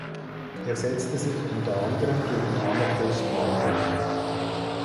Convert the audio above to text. Er setzte sich unter anderem gegen Anna Christmann durch.